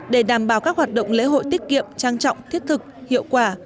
để đảm bảo các hoạt động lễ hội tiết kiệm trang trọng thiết thực hiệu quả